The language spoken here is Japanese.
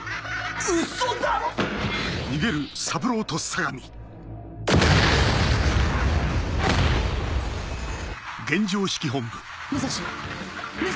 ウソだろ‼武蔵？